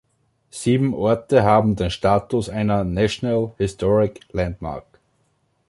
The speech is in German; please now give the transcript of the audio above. Sieben Orte haben den Status einer National Historic Landmark.